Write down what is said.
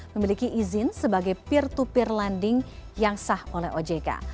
memiliki izin sebagai peer to peer lending yang sah oleh ojk